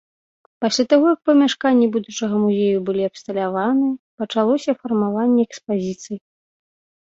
Пасля таго, як памяшканні будучага музею былі абсталяваны, пачалося фармаванне экспазіцый.